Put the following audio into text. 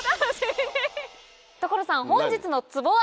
所さん本日のツボは？